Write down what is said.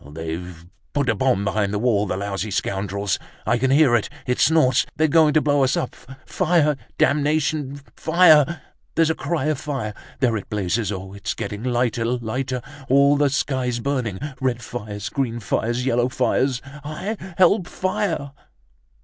They've put a bomb behind the wall, the lousy scoundrels! I can hear it, it snorts, they're going to blow us up! Fire! Damnation, fire! There's a cry of fire! There it blazes. Oh, it's getting lighter, lighter! All the sky's burning, red fires, green fires, yellow fires. Hi! Help! Fire!"